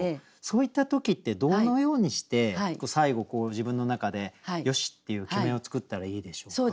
そういった時ってどのようにして最後自分の中で「よし」っていう決めを作ったらいいでしょうか。